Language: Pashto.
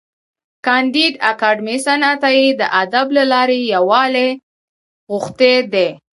کانديد اکاډميسن عطایي د ادب له لارې یووالی غوښتی دی.